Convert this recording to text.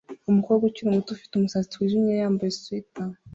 Umukobwa ukiri muto ufite umusatsi wijimye yambaye swater